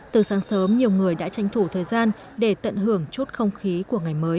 từ sáng sớm nhiều người đã tranh thủ thời gian để tận hưởng chút không khí của ngày mới